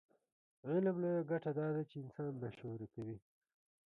علم لویه ګټه دا ده چې انسان باشعوره کوي.